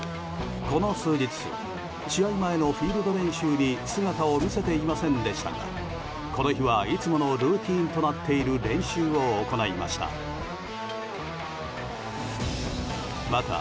この数日試合前のフィールド練習に姿を見せていませんでしたがこの日はいつものルーティンになっている練習を行いました。